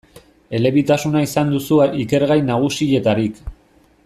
Elebitasuna izan duzu ikergai nagusietarik.